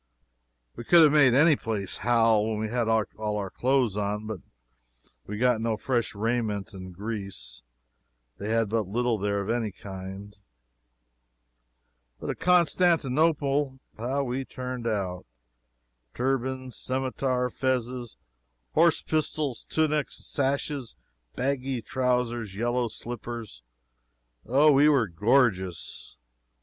We could have made any place howl when we had all our clothes on. We got no fresh raiment in Greece they had but little there of any kind. But at Constantinople, how we turned out! Turbans, scimetars, fezzes, horse pistols, tunics, sashes, baggy trowsers, yellow slippers Oh, we were gorgeous!